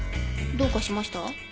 どうかしました？